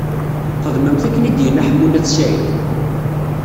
Xedmemt akken i d-yenna Ḥemmu n At Sɛid.